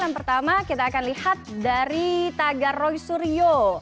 yang pertama kita akan lihat dari tagaroy suryo